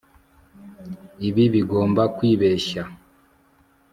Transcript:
Ibi bigomba kwibeshya